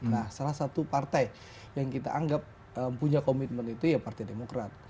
nah salah satu partai yang kita anggap punya komitmen itu ya partai demokrat